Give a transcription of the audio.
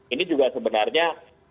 ini juga sebenarnya